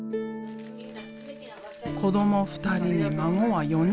子ども２人に孫は４人。